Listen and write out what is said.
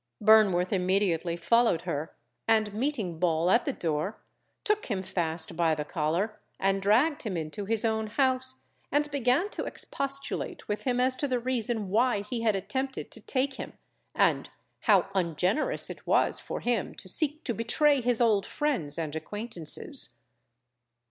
Burnworth immediately followed her and meeting Ball at the door, took him fast by the collar, and dragged him into his own house, and began to expostulate with him as to the reason why he had attempted to take him, and how ungenerous it was for him to seek to betray his old friends and acquaintances.